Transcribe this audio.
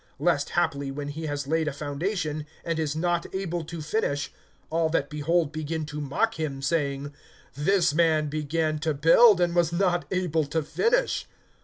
(29)Lest haply, when he has laid a foundation, and is not able to finish, all that behold begin to mock him, (30)saying: This man began to build, and was not able to finish.